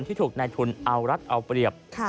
ที่ถูกในทุนเอารัฐเอาเปรียบ